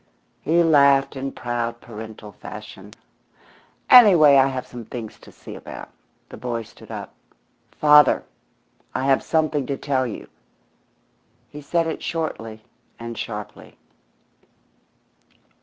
He laughed in proud parental fashion. "Anyway, I have some things to see about." The boy stood up. "Father, I have something to tell you." He said it shortly and sharply.